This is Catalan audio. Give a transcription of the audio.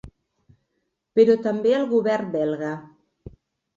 Però també al govern belga.